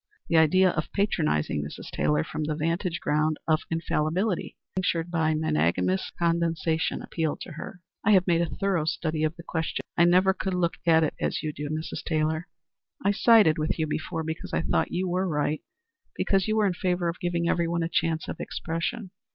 The idea of patronizing Mrs. Taylor from the vantage ground of infallibility, tinctured by magnanimous condescension, appealed to her. "I have made a thorough study of the question, and I never could look at it as you do, Mrs. Taylor. I sided with you before because I thought you were right because you were in favor of giving everyone a chance of expression.